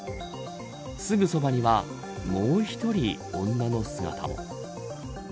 すぐそばには、もう１人女の姿も。